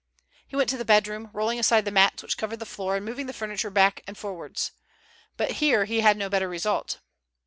He went to the bedroom, rolling aside the mats which covered the floor and moving the furniture back and forwards. But here he had no better result.